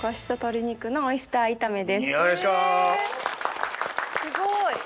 えすごい！